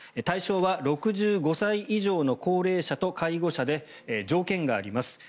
対象は６５歳以上の高齢者と介護者で条件があります。